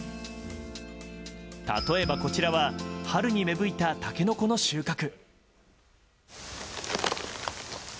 例えば、こちらは春に芽吹いたタケノコの収穫。